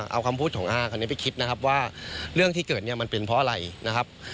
เอาคำพูดของอาคันนี้ไปคิดนะครับว่าเรื่องที่เกิดเนี่ยมันเป็นเพราะอะไรนะครับ